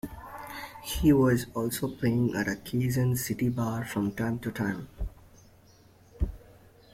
He was also playing at a Quezon City bar from time to time.